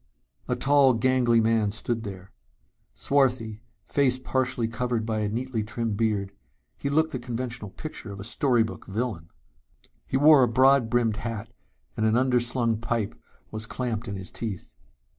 A tall gangly man stood there. Swarthy, face partially covered by a neatly trimmed beard, he looked the conventional picture of a story book villain. He wore a broad brimmed hat and an under slung pipe was clamped in his teeth.